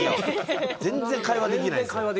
全然、会話ができないです。